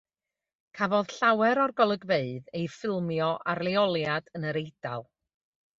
Cafodd llawer o'r golygfeydd eu ffilmio ar leoliad yn yr Eidal.